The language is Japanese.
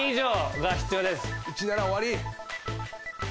１なら終わり。